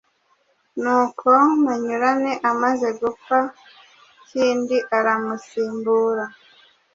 Nuko Manyurane amaze gupfa Kindi aramusimbura